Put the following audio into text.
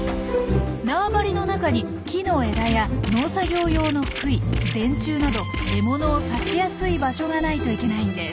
縄張りの中に木の枝や農作業用の杭電柱など獲物を刺しやすい場所がないといけないんです。